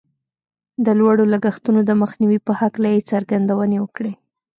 د لوړو لګښتونو د مخنيوي په هکله يې څرګندونې وکړې.